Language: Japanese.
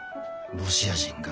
ロシア人が？